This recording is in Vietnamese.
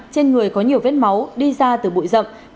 trên người có nhiều vết máu đi ra từ bụi rậm